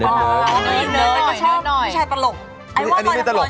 เรื่องอันนี้ไม่ไหวเต๋ลลด